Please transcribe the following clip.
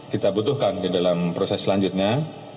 kita butuhkan di dalam proses selanjutnya